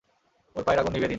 ওর পায়ের আগুন নিভিয়ে দিন।